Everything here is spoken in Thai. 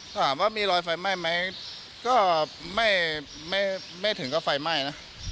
ถามว่ามีรอยไฟไหม้ไหมก็ไม่ถึงกับไฟไหม้นะ